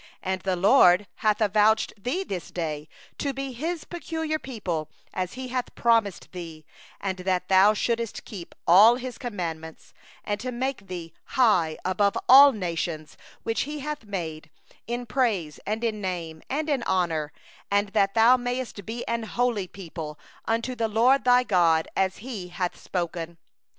18And the LORD hath avouched thee this day to be His own treasure, as He hath promised thee, and that thou shouldest keep all His commandments; 19and to make thee high above all nations that He hath made, in praise, and in name, and in glory; and that thou mayest be a holy people unto the LORD thy God, as He hath spoken.